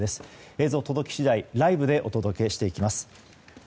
映像が届き次第ライブでお届けしていきます。